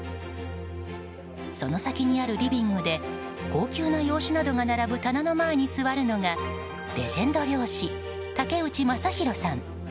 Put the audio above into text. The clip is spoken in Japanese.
その先にあるリビングで高級な洋酒などが並ぶ棚の前に座るのがレジェンド漁師、竹内正弘さん。